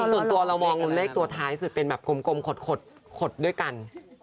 ส่วนตัวเรามองเลขตัวท้ายสุดเป็นแบบกลมขดด้วยกัน